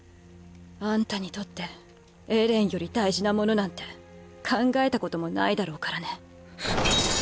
あんたにとってエレンより大事なものなんて考えたこともないだろうからね。